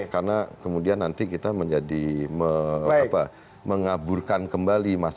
karena kemudian nanti kita menjadi mengaburkan kembali masalahnya